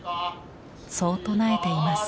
そう唱えています。